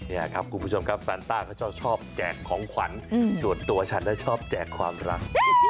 นี่ครับคุณผู้ชมครับซานต้าเขาชอบแจกของขวัญส่วนตัวฉันชอบแจกความรัก